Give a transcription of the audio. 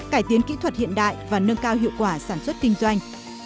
cải tiến kỹ thuật hiện đại và nâng cao hiệu quả sản xuất kinh doanh